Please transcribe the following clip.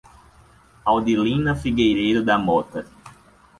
Audilina Figueiredo da Mota